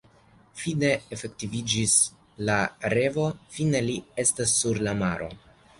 Fine efektiviĝis lia revo, fine li estas sur la maro!